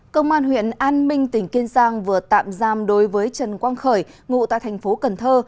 công an huyện an minh tỉnh kiên giang vừa tạm giam đối với trần quang khởi ngụ tại thành phố cần thơ